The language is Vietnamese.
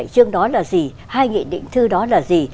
một mươi bảy chương đó là gì hai nghị định thư đó là gì